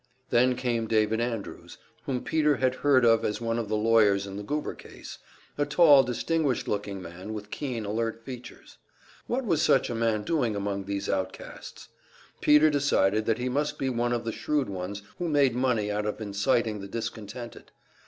Then came David Andrews, whom Peter had heard of as one of the lawyers in the Goober case, a tall, distinguished looking man with keen, alert features. What was such a man doing among these outcasts? Peter decided that he must be one of the shrewd ones who made money out of inciting the discontented.